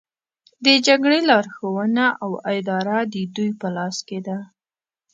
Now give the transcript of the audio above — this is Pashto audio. د جګړې لارښوونه او اداره د دوی په لاس کې ده